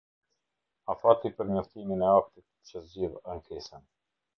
Afati për njoftimin e aktit që zgjidh ankesën.